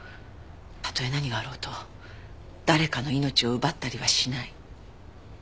たとえ何があろうと誰かの命を奪ったりはしない。